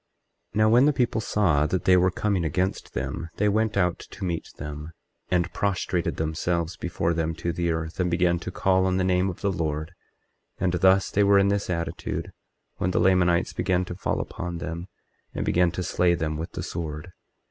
24:21 Now when the people saw that they were coming against them they went out to meet them, and prostrated themselves before them to the earth, and began to call on the name of the Lord; and thus they were in this attitude when the Lamanites began to fall upon them, and began to slay them with the sword.